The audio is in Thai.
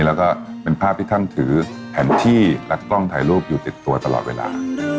แล้วก็เป็นภาพที่ท่านถือแผนที่และกล้องถ่ายรูปอยู่ติดตัวตลอดเวลา